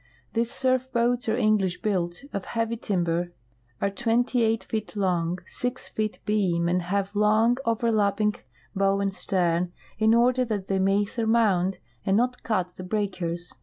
These surf boats are English built, of heavy timber, are twent3^ eight feet long, six feet beam, and have long, overlapping bow and stern in order that they may surmount and not cut the breakers.